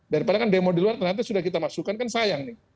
daripada kan demo di luar ternyata sudah kita masukkan kan sayang nih